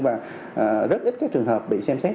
và rất ít các trường hợp bị xem xét